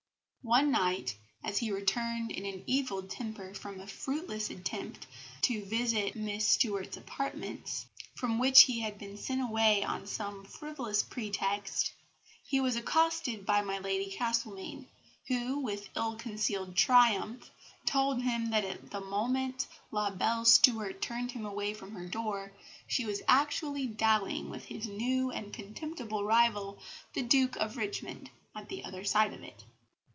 One night, as he returned in an evil temper from a fruitless visit to Miss Stuart's apartments, from which he had been sent away on some frivolous pretext, he was accosted by my Lady Castlemaine, who, with ill concealed triumph, told him that at the moment La belle Stuart turned him away from her door, she was actually dallying with his new and contemptible rival, the Duke of Richmond, at the other side of it.